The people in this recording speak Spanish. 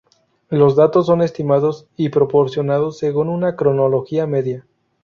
Los datos son estimados y proporcionados según una cronología media.